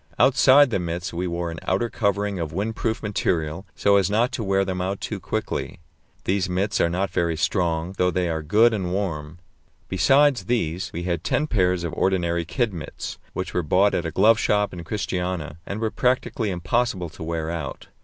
Outside the mits we wore an outer covering of windproof material, so as not to wear them out too quickly. These mits are not very strong, though they are good and warm. Besides these, we had ten pairs of ordinary kid mits, which were bought at a glove shop in Christiania, and were practically impossible to wear out.